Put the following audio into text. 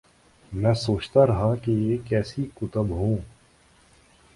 میں سوچتارہا کہ یہ کیسی کتب ہوں۔